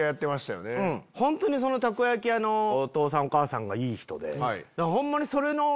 本当にそのたこ焼き屋のお父さんお母さんがいい人で。